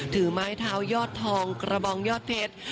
ถือไม้เท้ายอดทองกระบองยอดเพชร